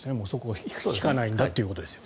そこで引かないんだと。